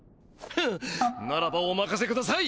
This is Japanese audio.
フッならばおまかせください